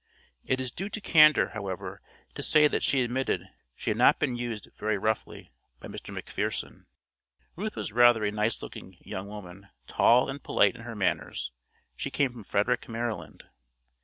It is due to candor, however, to say that she admitted that she had not been used very roughly by Mr. McPherson. Ruth was rather a nice looking young woman, tall, and polite in her manners. She came from Frederick, Maryland.